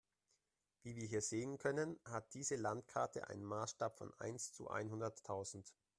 Wie wir hier sehen können, hat diese Landkarte einen Maßstab von eins zu einhunderttausend.